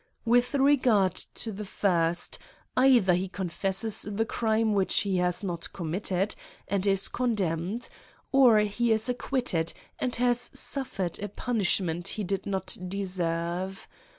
With regard to \ the first, either he confesses the crime which he 1 has not committed, and is condemned, or he is acquitted, and has suffered a punishment he did not CRIMES AND I'UNISHMENTS. ^ deserve.